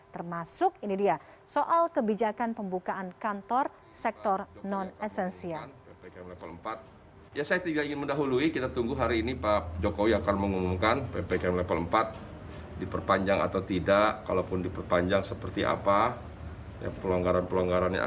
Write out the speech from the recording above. termasuk ini dia soal kebijakan pembukaan kantor sektor non esensial